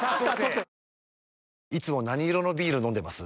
いつも何色のビール飲んでます？